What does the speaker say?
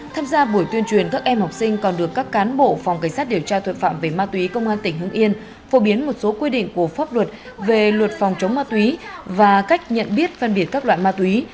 tham gia buổi tuyên truyền các em học sinh còn được các cán bộ phòng cảnh sát điều tra tội phạm về ma túy công an tỉnh hưng yên phổ biến một số quy định của pháp luật về luật phòng chống ma túy và cách nhận biết phân biệt các loại ma túy